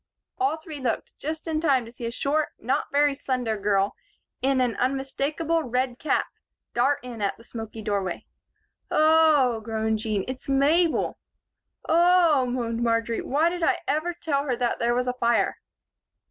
All three looked just in time to see a short, not very slender girl in an unmistakable red cap dart in at the smoky doorway. "Oh," groaned Jean, "it's Mabel!" "Oh," moaned Marjory, "why did I ever tell her that there was a fire?"